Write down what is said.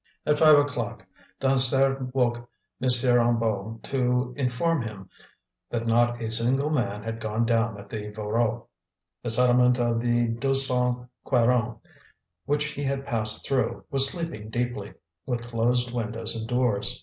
At five o'clock Dansaert woke M. Hennebeau to inform him that not a single man had gone down at the Voreux. The settlement of the Deux Cent Quarante, which he had passed through, was sleeping deeply, with closed windows and doors.